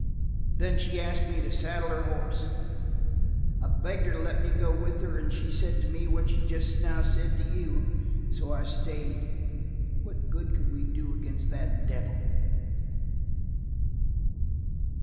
"Then she asked me to saddle her horse. I begged her to let me go with her, and she said to me what she just now said to you. And so I stayed. What good could we do against that devil?"